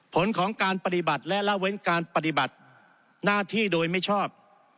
ผลของการปฏิบัติและละเว้นการปฏิบัติหน้าที่โดยไม่ชอบ